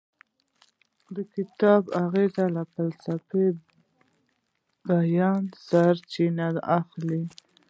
د کتاب اغیز له فلسفي بیانه سرچینه اخلي.